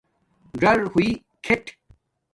ڎری ہوئئ کِھیٹ